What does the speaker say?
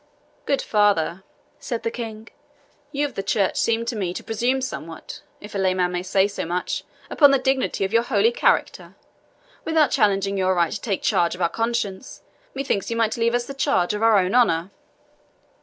"Good father," said the King, "you of the church seem to me to presume somewhat, if a layman may say so much, upon the dignity of your holy character. Without challenging your right to take charge of our conscience, methinks you might leave us the charge of our own honour."